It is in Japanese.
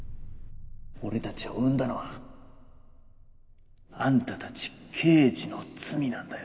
俺たちを生んだのはあんたたち刑事の罪なんだよ。